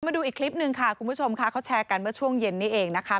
มาดูอีกคลิปหนึ่งค่ะคุณผู้ชมค่ะเขาแชร์กันเมื่อช่วงเย็นนี้เองนะคะ